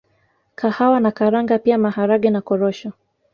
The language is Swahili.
kahawa na karanga pia Maharage na korosho